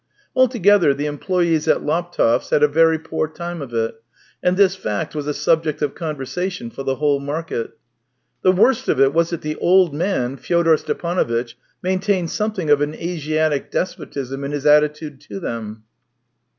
Altogether the employees at Laptevs' had a very poor time of it, and this fact was a subject of conversation for the whole 222 THE TALES OF TCHEHOV market. The worst of it was that the old man, Fyodor Stepanovitch, maintained something of an Asiatic despotism in his attitude to them.